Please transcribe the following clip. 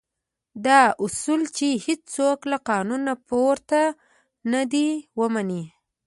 دا اصل چې هېڅوک له قانونه پورته نه دی ومني.